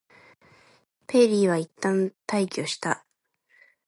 ペリーはいったん退去した。